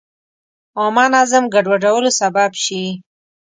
عامه نظم ګډوډولو سبب شي.